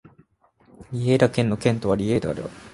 リェイダ県の県都はリェイダである